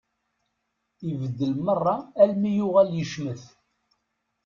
Ibeddel merra almi yuɣal yecmet.